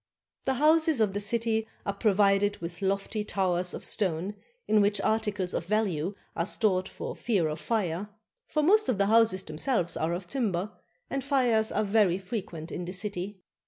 The houses of the city are provided with lofty towers of stone in which articles of value are stored for fear of fire; for most of the houses themselves are of timber, and fires are very frequent in the city.